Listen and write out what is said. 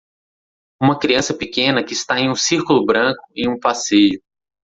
Uma criança pequena que está em um círculo branco em um passeio.